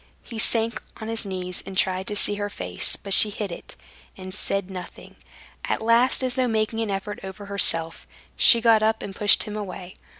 He sank on his knees and tried to see her face; but she hid it, and said nothing. At last, as though making an effort over herself, she got up and pushed him away.